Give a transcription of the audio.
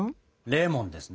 レモンですね。